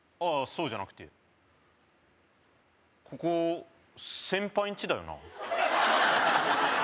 そうじゃなくてここ先輩んちだよな？